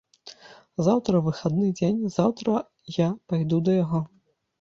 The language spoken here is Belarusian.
Заўтра выхадны дзень, заўтра я пайду да яго.